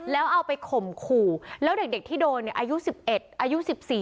แล้วเอาไปข่มขู่แล้วเด็กที่โดนอายุ๑๑อายุ๑๔